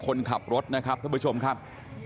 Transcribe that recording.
คนขับรถนะครับท่านผู้ชมครับ